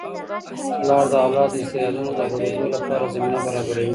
پلار د اولاد د استعدادونو د غوړیدو لپاره زمینه برابروي.